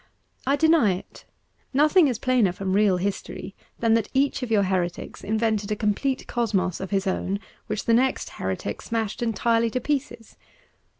I deny it. Nothing is plainer from real history than that each of your heretics invented a complete cosmos of his own which the next heretic smashed entirely to pieces.